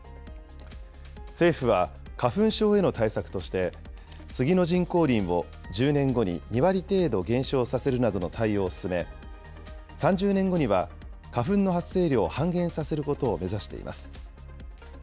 政府は花粉症への対策として、スギの人工林を１０年後に２割程度減少させるなどの対応を進め、３０年後には花粉の発生量を半減させることを目指しています。